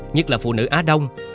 nhất là phụ nữ á đông